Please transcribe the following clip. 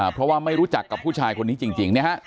เพราะว่าไม่รู้จักกับผู้ชายคนนี้จริง